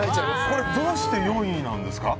これどうして４位なんですか？